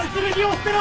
捨てろ！